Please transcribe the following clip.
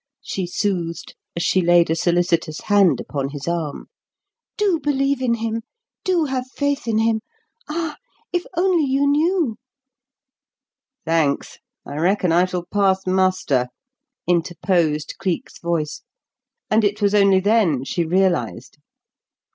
she soothed, as she laid a solicitous hand upon his arm. "Do believe in him; do have faith in him. Ah, if you only knew " "Thanks. I reckon I shall pass muster!" interposed Cleek's voice; and it was only then she realised.